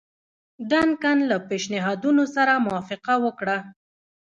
ډنکن له پېشنهادونو سره موافقه وکړه.